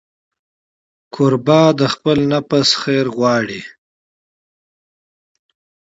کوربه د خپل نفس خیر غواړي.